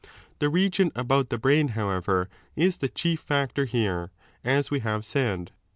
The region about the brain, however, is the chief factor here, as we have said.